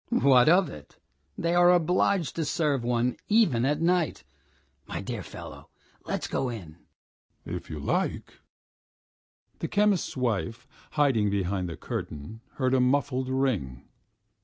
"What of it? They are obliged to serve one even at night. My dear fellow, let us go in!" "If you like. ..." The chemist's wife, hiding behind the curtain, heard a muffled ring.